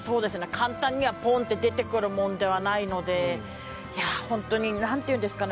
簡単にはポンって出てくるもんではないのでやあホントになんていうんですかね